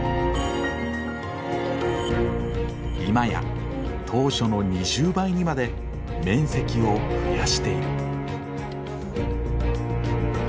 今や当初の２０倍にまで面積を増やしている。